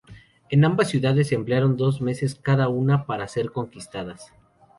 En ambas ciudades emplearon dos meses cada una para ser conquistadas.